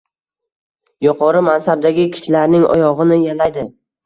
Yuqori mansabdagi kishilarning oyog’ini yalaydi.